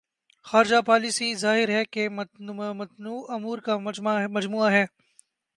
خارجہ پالیسی ظاہر ہے کہ متنوع امور کا مجموعہ ہے۔